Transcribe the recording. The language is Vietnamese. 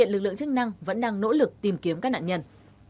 lực lượng chức năng vẫn đang nỗ lực tìm kiếm các nạn nhân